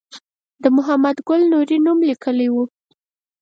د محمد ګل نوري نوم لیکلی و.